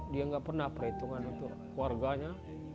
dia nggak pernah perhitungan untuk keluarganya